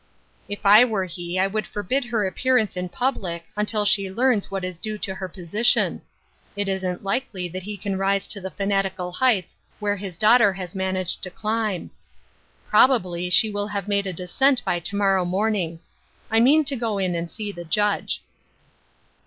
" If I were he I would forbid her appearance m public, until she learns what is due to hei 100 Ruth Erskine's Crosses. position. It isn't likely that he can rise to the fanatical lieights where his daughter has man aged to climb. Probably she will have made a descent by to morrow morning. I mean to go in Hnd see the Judge."